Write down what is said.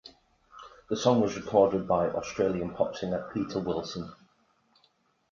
The song was recorded by Australian pop singer, Peter Wilson.